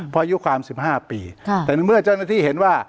เพราะอายุความ๑๕ปีแต่ในเมื่อเจ้าหน้าที่เห็นว่า